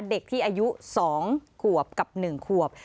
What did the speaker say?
เด็กที่อายุ๒ขวบกับ๑ขวบ